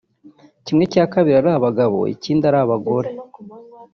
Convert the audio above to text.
kimwe cya kabiri ari abagabo ikindi ari abagore